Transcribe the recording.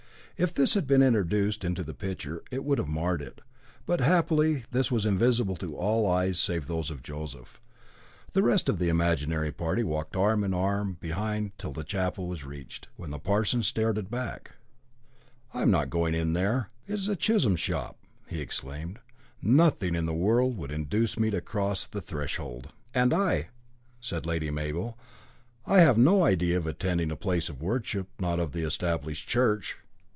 If this had been introduced into the picture it would have marred it; but happily this was invisible to all eyes save those of Joseph. The rest of the imaginary party walked arm in arm behind till the chapel was reached, when the parson started back. "I am not going in there! It is a schism shop," he exclaimed. "Nothing in the world would induce me to cross the threshold." "And I," said Lady Mabel, "I have no idea of attending a place of worship not of the Established Church."